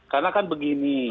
karena kan begini